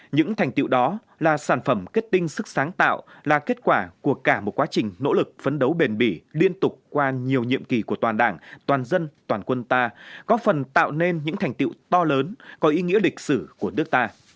những thành tiệu đó là sản phẩm kết tinh sức sáng tạo là kết quả của cả một quá trình nỗ lực phấn đấu bền bỉ liên tục qua nhiều nhiệm kỳ của toàn đảng toàn dân toàn quân ta góp phần tạo nên những thành tiệu to lớn có ý nghĩa lịch sử của nước ta